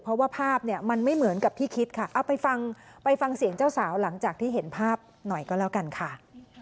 เพราะว่าภาพเนี่ยมันไม่เหมือนกับที่คิดค่ะเอาไปฟังไปฟังเสียงเจ้าสาวหลังจากที่เห็นภาพหน่อยก็แล้วกันค่ะ